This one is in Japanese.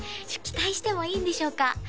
ちょっと期待してもいいんでしょうか？